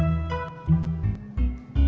gak ada apa apa